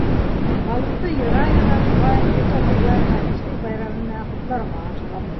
Халыҡты йыра-йыра, моғайын, ул да һөйгәнен нәфислек байрамы менән ҡотларға ашығалыр.